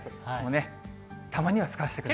たまには使わせてください。